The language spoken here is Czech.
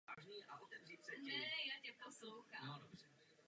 Působení českých vojáků v oblasti přesto bylo úspěšné.